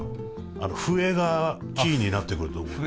あの笛がキーになってくると思うよ。